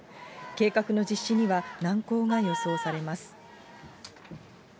計画の実施には難航が予想されます。